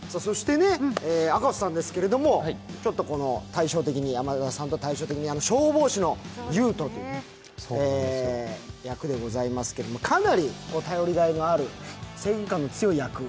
赤楚さんは、山田さんと対照的に消防士の優斗という役でございますけれども、かなり頼りがいのある正義感の強い役。